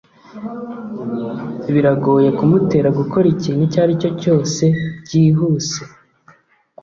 biragoye kumutera gukora ikintu icyo aricyo cyose byihuse